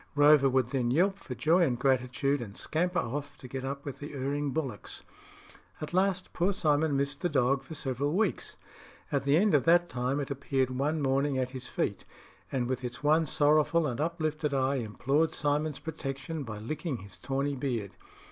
Rover would then yelp for joy and gratitude, and scamper off to get up with the erring bullocks. At last poor Simon missed the dog for several weeks; at the end of that time it appeared one morning at his feet, and with its one sorrowful and uplifted eye implored Simon's protection by licking his tawny beard.